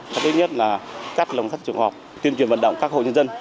thứ nhất là cắt lồng sắt trộm cọp tuyên truyền vận động các hộ nhân dân